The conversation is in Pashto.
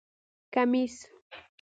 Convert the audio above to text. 👗 کمېس